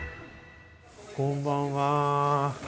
こんばんは。